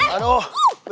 ya allah mimpi